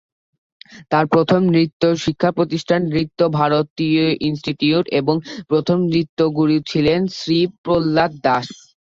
তার প্রথম নৃত্য শিক্ষা প্রতিষ্ঠান ‘নৃত্য ভারতী ইন্সটিটিউট’ এবং প্রথম নৃত্য গুরু ছিলেন ‘শ্রী প্রহ্লাদ দাস’।